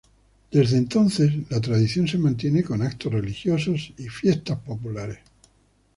Desde entonces, la tradición se mantiene con actos religiosos y fiesta popular.